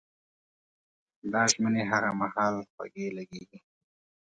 دا ژمنې هغه مهال خوږې لګېږي.